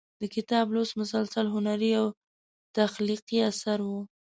د کتاب لوست مسلسل هنري او تخلیقي اثر و.